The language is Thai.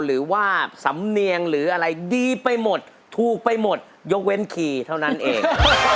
หรือว่าสำเนียงหรืออะไรดีไปหมดถูกไปหมดยกเว้นคีย์เท่านั้นเอง